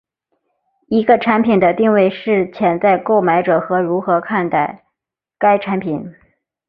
一个产品的定位是潜在购买者如何看待该产品。